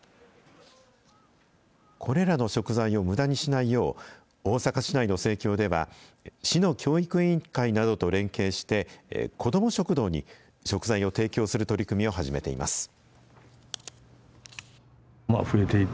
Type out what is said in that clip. これらの食材をむだにしないよう、大阪市内の生協では、市の教育委員会などと連携して、子ども食堂に食材を提供する取り組みを始めています。